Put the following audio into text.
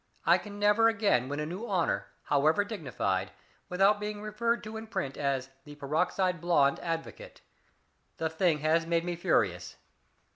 I can never again win a new honor, however dignified, without being referred to in print as the peroxide blond advocate. The thing has made me furious.